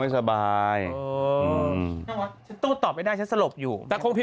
ฉันต้นตอบไม่ได้ฉันสลบอยู่